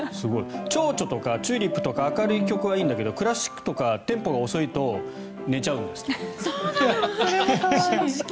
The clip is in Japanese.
「ちょうちょう」とか「チューリップ」とか明るい曲はいいんだけどクラシックとかテンポが遅いと寝ちゃうんですって。